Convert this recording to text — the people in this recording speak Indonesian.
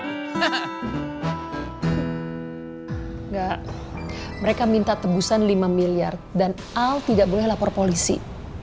enggak mereka minta tebusan lima miliar dan al tidak boleh lapor polisi